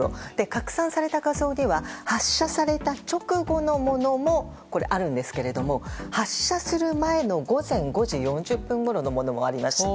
拡散された画像では発射された直後のものもあるんですけど発射する前の午前５時４０分ごろのものもあります。